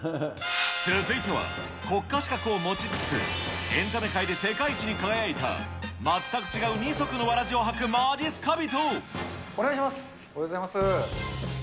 続いては、国家資格を持ちつつ、エンタメ界で世界一に輝いた、全く違う二足のわらじを履くまじお願いします。